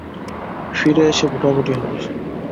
ফিরে এসে ভোটাভুটি হবে।